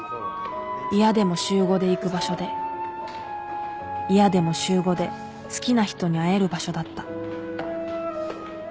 嫌でも週５で行く場所で嫌でも週５で好きな人に会える場所だった